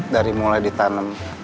dari mulai ditanem